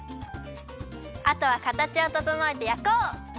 あとはかたちをととのえてやこう！